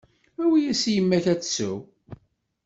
Awi-yas i yemma-k ad tsew.